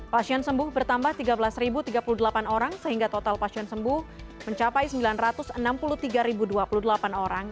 pasien sembuh bertambah tiga belas tiga puluh delapan orang sehingga total pasien sembuh mencapai sembilan ratus enam puluh tiga dua puluh delapan orang